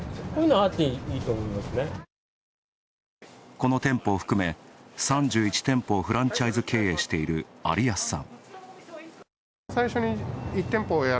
この店舗を含め、３１店舗をフランチャイズ経営している有安さん。